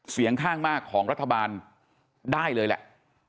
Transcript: เสียงข้างมากของรัฐบาลได้เลยแหละ